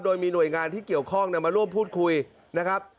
โดยมีหน่วยงานที่เกี่ยวข้องมาร่วมพูดคุยนะครับ